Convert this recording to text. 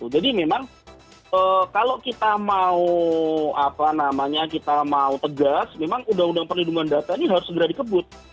jadi memang kalau kita mau tegas memang undang undang perlindungan data ini harus segera dikebut